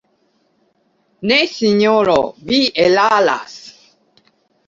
Ne, sinjoro, vi eraras.